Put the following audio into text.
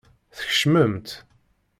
Tkecmemt.